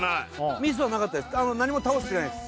ミスはなかったです